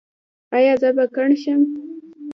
ایا زه به کڼ شم؟